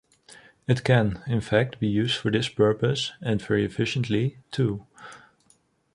It can, in fact, be used for this purpose, and very efficiently, too.